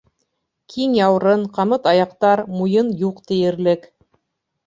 Киң яурын, ҡамыт аяҡтар, муйын юҡ тиерлек.